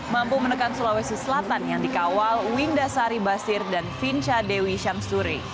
mampu menekan sulawesi selatan yang dikawal winda sari basir dan vince dewi syamsuri